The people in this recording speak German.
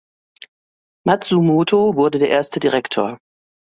Matsumoto wurde der erste Direktor.